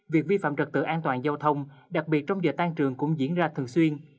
việc vi phạm trật tự an toàn giao thông đặc biệt trong giờ tan trường cũng diễn ra thường xuyên